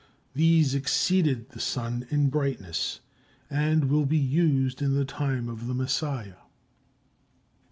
These exceeded the sun in brightness, and will be used in the time of the Messiah.